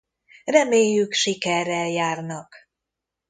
Reméljük sikerrel járnak!